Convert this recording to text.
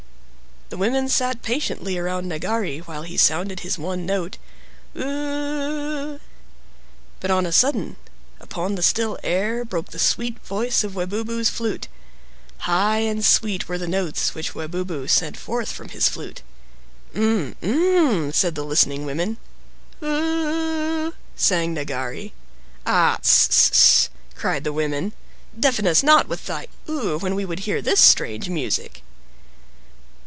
The women sat patiently around Nagari, while he sounded his one note, "U u u!" But on a sudden, upon the still air, broke the sweet voice of Webubu's flute. High and sweet were the notes which Webubu sent forth from his flute. "M! m!" said the listening women. "U u u u," sang Nagari. "Ah, ss ss ss!" cried the women. "Deafen us not with thy 'U,' when we would hear this strange music!"